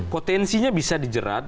potensinya bisa dijerat